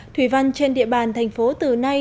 thủy văn trên địa bàn thành phố từ nay